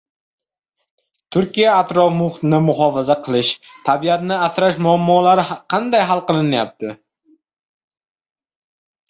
— Turkiyada atrof-muhitni muhofaza qilish, tabiatni asrash muammolari qanday hal qilinyapti?